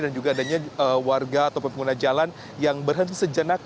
dan juga adanya warga atau pengguna jalan yang berhenti sejenak